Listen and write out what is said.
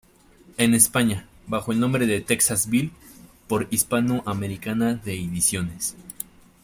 En España, bajo el nombre de "Texas Bill", por Hispano Americana de Ediciones.